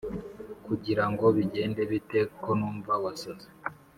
Kugira ngo bigende bite konumva wasaze